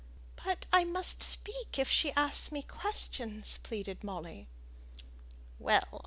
"But I must speak if she asks me questions," pleaded Molly. "Well!